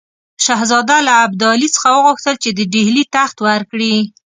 شهزاده له ابدالي څخه وغوښتل چې د ډهلي تخت ورکړي.